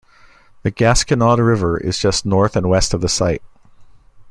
The Gasconade River is just north and west of the site.